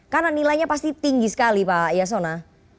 karena nilainya pasti tinggi sekali pak yasona